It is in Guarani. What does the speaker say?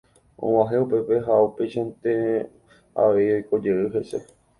Og̃uahẽ upépe ha upeichaiténte avei oikojey hese.